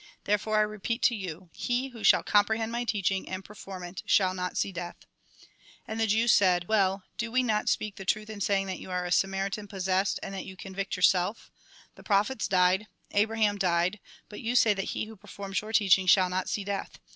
Therefore I repeat to you : he who shall comprehend my teaching and perform it, shall not see death." And the Jews said :" Well, do not we speak the truth in saying that you are a Samaritan possessed, and that you convict yourself? The prophets died, Abraham died ; but you say that he who performs your teiching shall not see death.